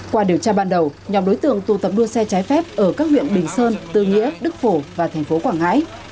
qua điều tra ban đầu nhóm đối tượng tụ tập đua xe trái phép ở các huyện bình sơn tư nghĩa đức phổ và thành phố quảng ngãi